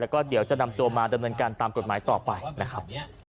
แล้วก็เดี๋ยวจะนำตัวมาดำเนินการตามกฎหมายต่อไปนะครับ